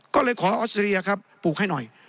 ก็เลยขอออสเตรเลียครับปลูกให้หน่อย